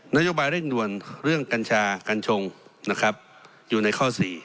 นโยบายเร่งด่วนเรื่องกัญชากัญชงนะครับอยู่ในข้อ๔